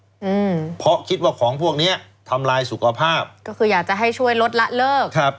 อืมเพราะคิดว่าของพวกเนี้ยทำลายสุขภาพก็คืออยากจะให้ช่วยลดละเลิกครับ